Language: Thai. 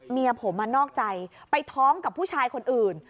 เมียผมนอกใจไปท้องกับผู้ชายคนอื่น